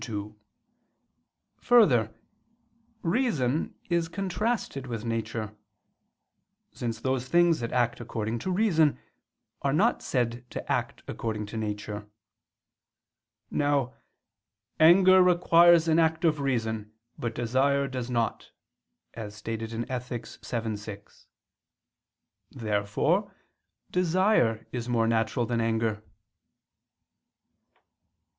2: Further, reason is contrasted with nature: since those things that act according to reason, are not said to act according to nature. Now "anger requires an act of reason, but desire does not," as stated in Ethic. vii, 6. Therefore desire is more natural than anger.